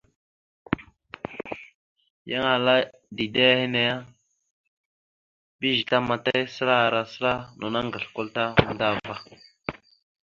Yan ahala dide ya ehene, mbiyez tamataya səla ara səla, no naŋgasl kwal ta matam ava.